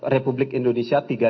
republik indonesia tiga puluh lima